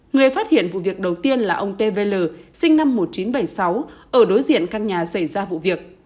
người phát hiện vụ việc đầu tiên là ông tv l sinh năm một nghìn chín trăm bảy mươi sáu ở đối diện căn nhà xảy ra vụ việc